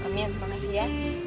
amin makasih ya